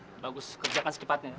ya bagus kerjakan secepatnya